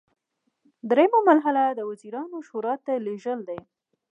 دریمه مرحله د وزیرانو شورا ته لیږل دي.